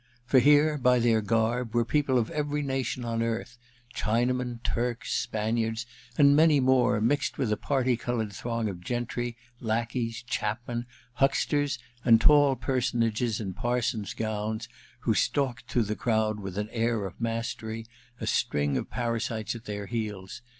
For here, by their garb, were people of every nation on earth, L)hinamen, Turks, Spaniards, and many more, mixed with a parti coloured throng of gentry, lackeys, chapmen, hucksters, and tall personages in parsons' gowns who stalked through the crowd with an air of mastery, a string of parasites at their heels.